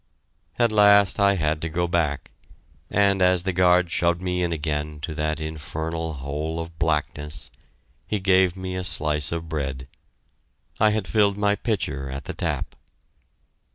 At last I had to go back, and as the guard shoved me in again to that infernal hole of blackness, he gave me a slice of bread. I had filled my pitcher at the tap.